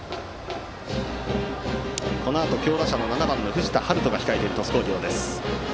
このあと強打者の７番、藤田陽斗が控えている鳥栖工業です。